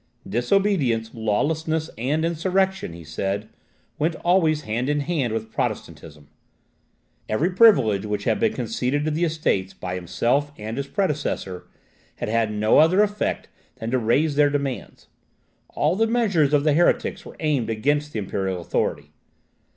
"Disobedience, lawlessness, and insurrection," he said, "went always hand in hand with Protestantism. Every privilege which had been conceded to the Estates by himself and his predecessor, had had no other effect than to raise their demands. All the measures of the heretics were aimed against the imperial authority.